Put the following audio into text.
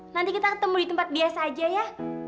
nanti kita ketemu di tempat biasa aja ya